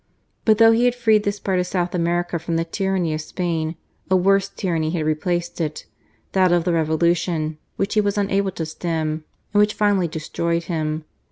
But though he had freed this part of South America from the tyranny of Spain, a worse tyranny had replaced it — that of the Revolution, which he was unable to stem, and which finally destroyed him.